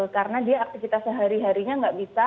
karena dia aktivitasnya hari harinya nggak bisa